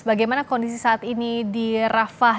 bagaimana kondisi saat ini di rafah